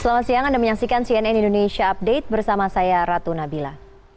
selamat siang anda menyaksikan cnn indonesia update bersama saya ratu nabila